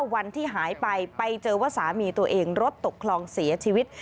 วันที่หายไปไปเจอว่าสามีตัวเองรถตกคลองเสียชีวิต